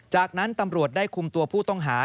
จากนั้นตำรวจได้คุมตัวผู้ต้องหา